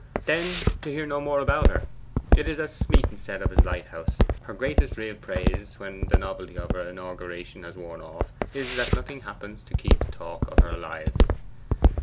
'Then to hear no more about her. It is as Smeaton said of his lighthouse: her greatest real praise, when the novelty of her inauguration has worn off, is that nothing happens to keep the talk of her alive.